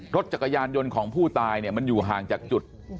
รถจักรยานยนต์ของผู้ตายเนี่ยมันอยู่ห่างจากจุด